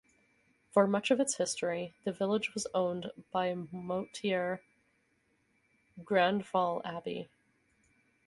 For much of its history, the village was owned by Moutier-Grandval Abbey.